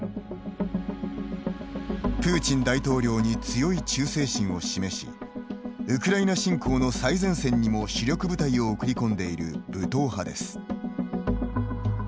プーチン大統領に強い忠誠心を示しウクライナ侵攻の最前線にも主力部隊を送り込んでいる武闘派です。